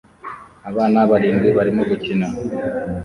Abana barindwi barimo gukina